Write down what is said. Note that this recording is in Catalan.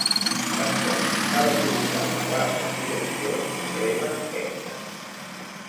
Tan sols s'ha de col·locar a la barra de direccions i prémer 'Enter'.